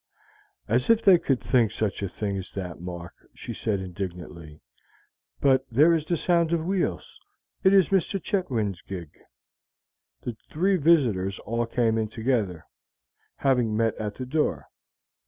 "As if they could think such a thing as that, Mark," she said indignantly. "But there is the sound of wheels; it is Mr. Chetwynd's gig." The three visitors all came in together, having met at the door.